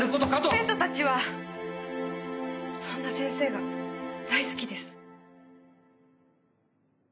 生徒たちはそんな先生が大好きです。